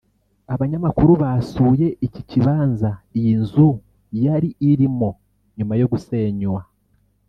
Abanyamakuru basuye iki kibanza iyi nzu yari irimo nyuma yo gusenywa